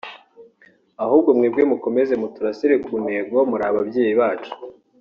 Ahubwo mwebwe mukomeze muturasire ku ntego muri ababyeyi bacu